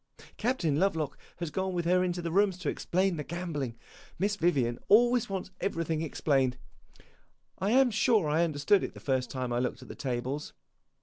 Captain Lovelock has gone with her into the rooms to explain the gambling Miss Vivian always wants everything explained. I am sure I understood it the first time I looked at the tables.